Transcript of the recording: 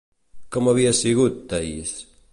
Com havia sigut, Taís?